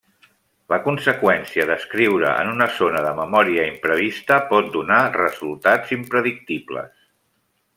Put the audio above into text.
La conseqüència d'escriure en una zona de memòria imprevista pot donar resultats impredictibles.